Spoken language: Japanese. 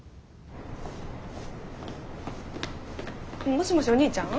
もしもしお兄ちゃん？